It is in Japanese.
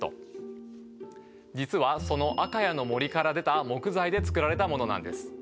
実はその赤谷の森から出た木材で作られたものなんです。